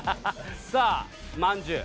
さあまんじゅう。